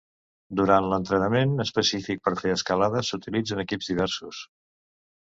Durant l'entrenament específic per fer escalada s'utilitzen equips diversos.